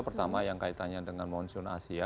pertama yang kaitannya dengan monsoon asia